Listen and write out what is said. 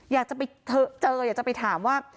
อยากจะไปเจออยากจะไปถามว่า